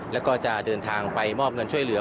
แล้วก็จะเดินทางไปมอบเงินช่วยเหลือ